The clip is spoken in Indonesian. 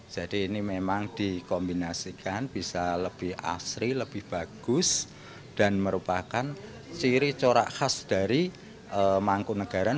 jadi ini memang dikombinasikan bisa lebih asri lebih bagus dan merupakan ciri corak khas dari mangkunegaran